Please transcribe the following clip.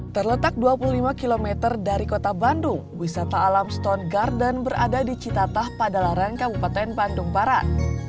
terletak dua puluh lima km dari kota bandung wisata alam stone garden berada di citatah padalarang kabupaten bandung barat